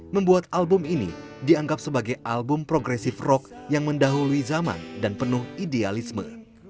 membuat album ini dianggap sebagai album progresif rock yang mendahului zaman dan penuh idealisme